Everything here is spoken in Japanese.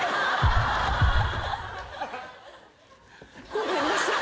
ごめんなさい。